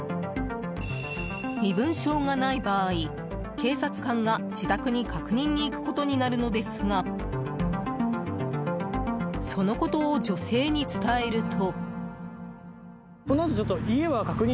身分証がない場合、警察官が自宅に確認に行くことになるのですがそのことを女性に伝えると。